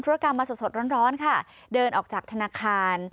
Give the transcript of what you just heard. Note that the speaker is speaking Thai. รกรรมมาสดร้อนค่ะเดินออกจากธนาคาร